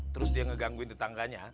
terus dia ngegangguin tetangganya